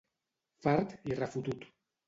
Fart i refotut.